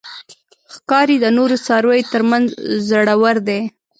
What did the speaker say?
ښکاري د نورو څارویو تر منځ زړور دی.